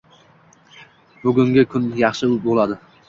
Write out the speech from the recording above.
Bugungi kun yaxshi boʻladi.